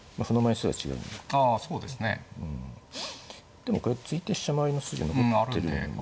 でもこれ突いて飛車回りの筋残ってるんで。